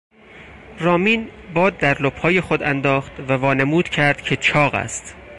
رامین باد در لپهای خود انداخت و وانمود کرد که چاق است.